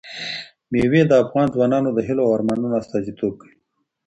مېوې د افغان ځوانانو د هیلو او ارمانونو استازیتوب کوي.